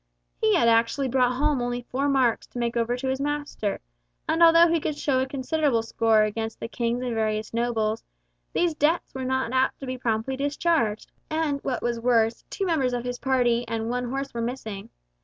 He had actually brought home only four marks to make over to his master; and although he could show a considerable score against the King and various nobles, these debts were not apt to be promptly discharged, and what was worse, two members of his party and one horse were missing.